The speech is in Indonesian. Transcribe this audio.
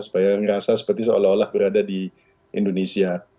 supaya merasa seperti seolah olah berada di indonesia